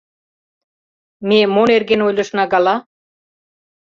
— Ме мо нерген ойлышна гала?